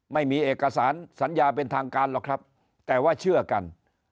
ไม่มีเอกสารสัญญาเป็นทางการหรอกครับแต่ว่าเชื่อกัน